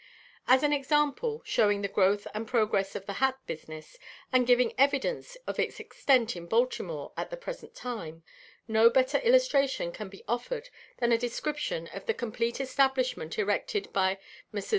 As an example, showing the growth and progress of the hat business, and giving evidence of its extent in Baltimore at the present time, no better illustration could be offered than a description of the complete establishment erected by Messrs.